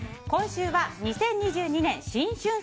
今週は２０２２年新春